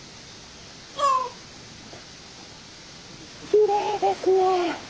きれいですね。